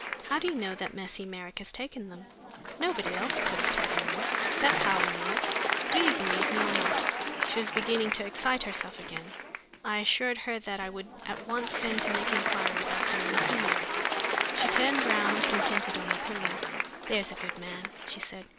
"How do you know that Mercy Merrick has taken them?" "Nobody else could have taken them that's how I know it. Do you believe me or not?" She as beginning to excite herself again; I assured her that I would at once send to make inquiries after Mercy Merrick. She turned round contented on the pillow. "There's a good man!" she said.